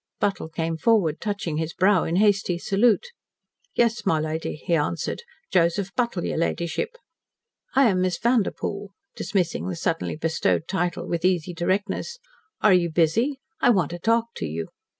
Buttle came forward, touching his brow in hasty salute. "Yes, my lady," he answered. "Joseph Buttle, your ladyship." "I am Miss Vanderpoel," dismissing the suddenly bestowed title with easy directness. "Are you busy? I want to talk to you."